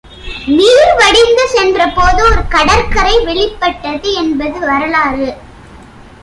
நீர் வடிந்து சென்ற போது ஒரு கடற்கரை வெளிப்பட்டது என்பது வரலாறு.